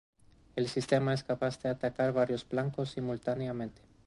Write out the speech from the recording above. El sistema es capaz de atacar varios blancos simultáneamente.